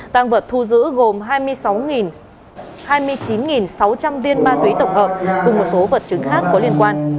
tàng vật thu giữ gồm hai mươi chín sáu trăm linh tiên ma túy tổng hợp cùng một số vật chứng khác có liên quan